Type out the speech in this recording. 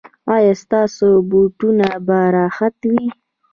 ایا ستاسو بوټونه به راحت وي؟